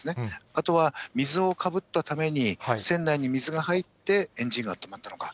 あとは水をかぶったために、船内に水が入ってエンジンが止まったのか。